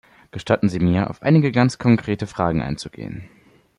Gestatten Sie mir, auf einige ganz konkrete Fragen einzugehen.